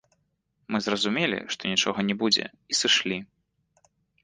Мы зразумелі, што нічога не будзе, і сышлі.